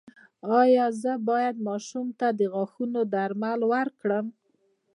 ایا زه باید ماشوم ته د غاښونو درمل ورکړم؟